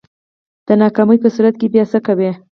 د ناکامۍ په صورت کی بیا څه کوئ؟